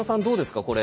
どうですか？